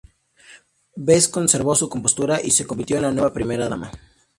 Bess conservó su compostura y se convirtió en la nueva Primera Dama.